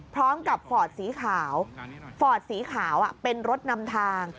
พร้อมกับฟอร์ดสีขาวฟอร์ดสีขาวเป็นรถนำทาง